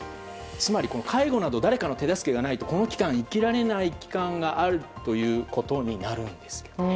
つまり介護など誰かの手助けがないと生きられない期間があるということになるんですね。